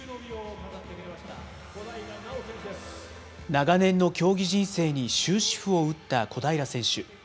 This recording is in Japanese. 長年の競技人生に終止符を打った小平選手。